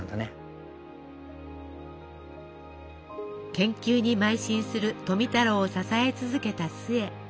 研究にまい進する富太郎を支え続けた壽衛。